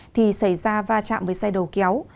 thì xảy ra va chạm với xe đầu kéo